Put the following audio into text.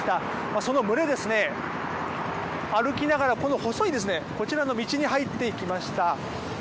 その群れ、歩きながらこの細い道に入っていきました。